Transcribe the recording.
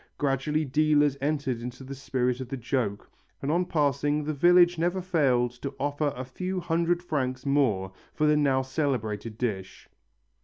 Gradually dealers entered into the spirit of the joke and on passing the village never failed to offer a few hundred francs more for the now celebrated dish.